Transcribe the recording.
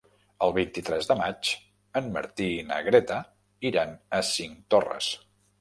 El vint-i-tres de maig en Martí i na Greta iran a Cinctorres.